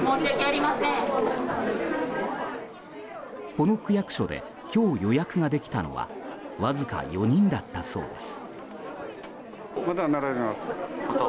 この区役所で今日予約ができたのはわずか４人だったそうです。